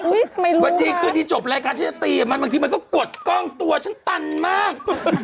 วันนี้คือที่จบรายการชาติบางทีมันก็กดกล้องตัวฉันตันมาก